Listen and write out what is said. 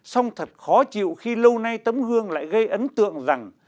song thật khó chịu khi lâu nay tấm gương lại gây ấn tượng rằng